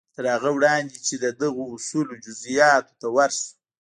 تر هغه وړاندې چې د دغو اصولو جزياتو ته ورشو.